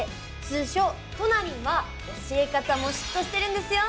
通称トナりんは教え方もシュッとしてるんですよ！